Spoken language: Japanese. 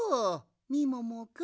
みももくん。